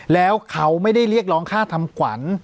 แล้วเขาไม่ได้เรียกร้องค่าทำขวัญ